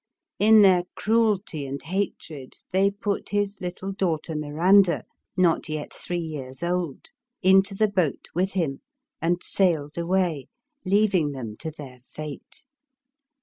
In their cruelty and hatred they put his little daughter, Miranda (not yet three years old), into the boat with him, and sailed away, leaving them to their fate.